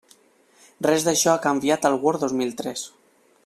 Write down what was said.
Res d'això ha canviat al Word dos mil tres.